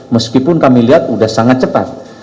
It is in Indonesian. meskipun kami lihat sudah sangat cepat